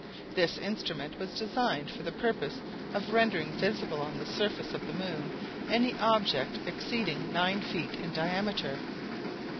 This instrument was designed for the purpose of rendering visible on the surface of the moon any object exceeding nine feet in diameter.